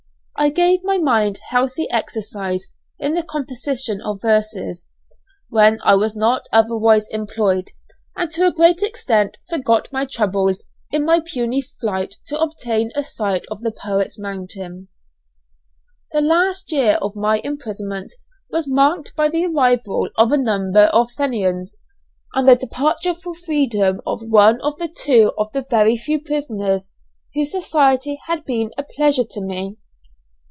I gave my mind healthy exercise in the composition of verses, when I was not otherwise employed, and to a great extent forgot my troubles in my puny flight to obtain a sight of the poets' mountain. The last year of my imprisonment was marked by the arrival of a number of Fenians, and the departure for freedom of one or two of the very few prisoners whose society had been a pleasure to me.